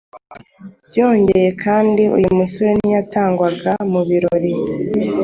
Byongeye kandi uyu musore ntiyatangwaga mu birori